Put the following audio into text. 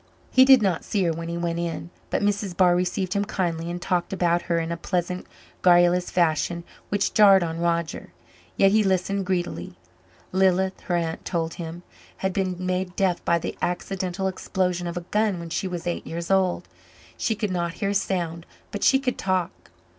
He did not see her when he went in, but Mrs. Barr received him kindly and talked about her in a pleasant garrulous fashion which jarred on Roger, yet he listened greedily. Lilith, her aunt told him, had been made deaf by the accidental explosion of a gun when she was eight years old. She could not hear a sound but she could talk.